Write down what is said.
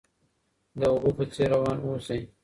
د اوبو په څیر روان اوسئ.